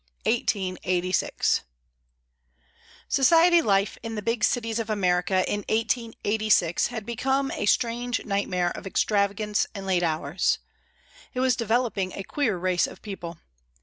THE TENTH MILESTONE 1886 Society life in the big cities of America in 1886 had become a strange nightmare of extravagance and late hours. It was developing a queer race of people.